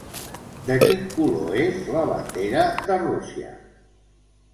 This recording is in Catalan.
De quin color és la bandera de Rússia?